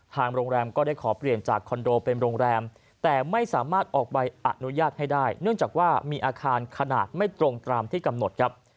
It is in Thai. โรงแรมก็ได้ขอเปลี่ยนจากคอนโดเป็นโรงแรมแต่ไม่สามารถออกใบอนุญาตให้ได้เนื่องจากว่ามีอาคารขนาดไม่ตรงตามที่กำหนดครับ